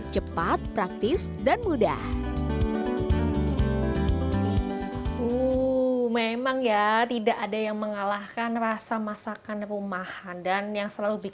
cepat praktis dan mudah